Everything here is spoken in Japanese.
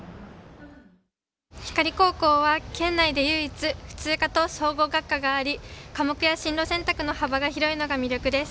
光高校は、県内で唯一普通科と総合学科があり科目や進路選択の幅が広いのが魅力です。